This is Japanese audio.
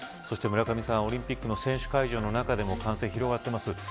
そして、村上さんオリンピックの選手会場の中でも感染が広がっています。